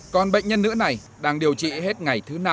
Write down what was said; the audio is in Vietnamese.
còn bệnh nhân nữa này đang điều trị hết ngày thứ năm